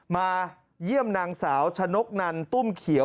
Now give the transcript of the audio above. มาเยี่ยมนางสาวชะนกนันตุ้มเขียว